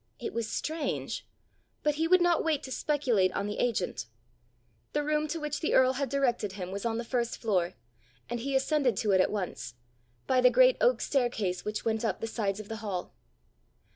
It was strange! But he would not wait to speculate on the agent! The room to which the earl had directed him was on the first floor, and he ascended to it at once by the great oak staircase which went up the sides of the hall.